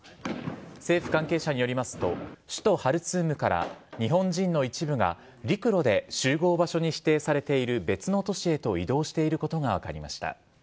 政府関係者によりますと、首都ハルツームから日本人の一部が陸路で集合場所に指定されている別の都市へと移動していることが分かりました。